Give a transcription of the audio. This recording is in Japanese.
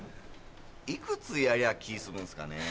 いくつやりゃあ気済むんすかね？